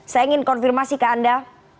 saya ingin konfirmasi ke anda